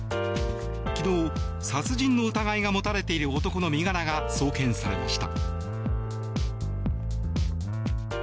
昨日、殺人の疑いが持たれている男の身柄が送検されました。